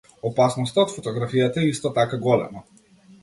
Опасноста од фотографијата е исто така голема.